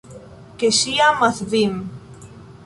Ke ŝi amas vin.